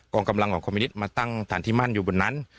องกำลังของคอมมินิตมาตั้งฐานที่มั่นอยู่บนนั้น